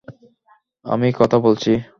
আমি কথা বলছি।